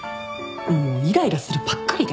もういらいらするばっかりで。